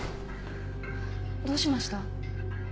どうしました？